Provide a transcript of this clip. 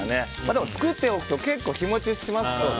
でも作っておくと結構日持ちしますので。